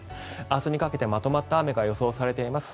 明日にかけてまとまった雨が予想されています。